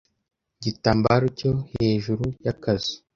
igitambaro cye hejuru y'akazu.